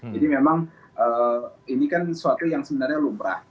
jadi memang ini kan suatu yang sebenarnya lumrah